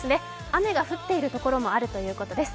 雨が降っている所もあるということです。